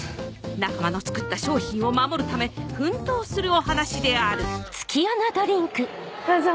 仲間の作った商品を守るため奮闘するお話であるどうぞ。